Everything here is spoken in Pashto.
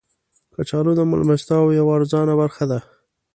کچالو د میلمستیاو یوه ارزانه برخه ده